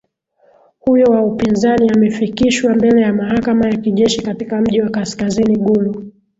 huyo wa upinzani amefikishwa mbele ya mahakama ya kijeshi katika mji wa kaskazini Gulu